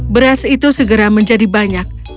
beras itu segera menjadi banyak